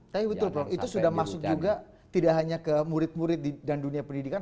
tapi betul itu sudah masuk juga tidak hanya ke murid murid dan dunia pendidikan